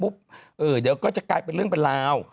เดี๋ยวก็จะกลายเป็นเรื่องเป็นราว